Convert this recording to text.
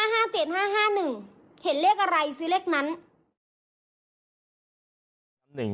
เห็นเลขอะไรซื้อเลขนั้น